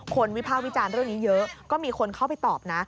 วิภาควิจารณ์เรื่องนี้เยอะก็มีคนเข้าไปตอบนะ